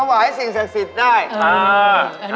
ขาวไหวสิงห์ศักดิ์สิทธิ์ได้